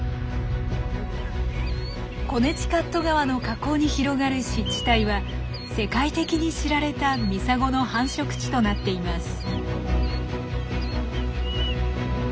コネチカット川の河口に広がる湿地帯は世界的に知られたミサゴの繁殖地となっています。